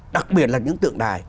đặc biệt là những tượng đài